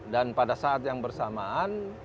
dan pada saat yang bersamaan